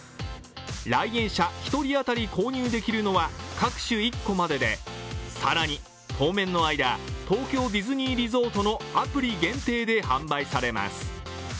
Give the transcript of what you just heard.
来園者１人当たり購入できるのは各種１個までで、更に当面の間、東京ディズニーリゾートのアプリ限定で販売されます。